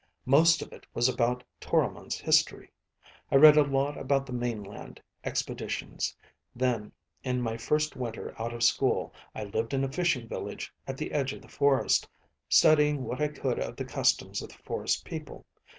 Most of it was about Toromon's history. I read a lot about the mainland expeditions. Then, in my first winter out of school, I lived in a fishing village at the edge of the forest, studying what I could of the customs of the forest people.